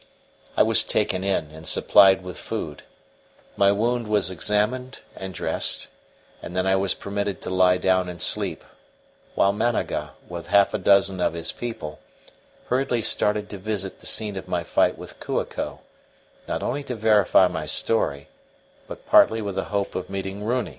I was taken in and supplied with food; my wound was examined and dressed; and then I was permitted to lie down and sleep, while Managa, with half a dozen of his people, hurriedly started to visit the scene of my fight with Kua ko, not only to verify my story, but partly with the hope of meeting Runi.